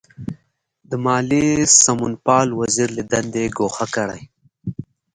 د مالیې سمونپال وزیر له دندې ګوښه کړي.